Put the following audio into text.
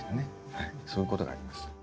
そういうことがあります。